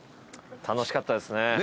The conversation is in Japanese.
楽しかったですね。